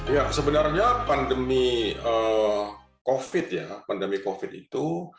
ya sebenarnya pandemi covid ya pandemi covid itu